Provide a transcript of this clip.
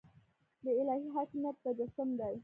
د الهي حاکمیت تجسم دی.